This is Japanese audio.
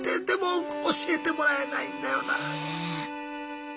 でも教えてもらえないんだよな。ね。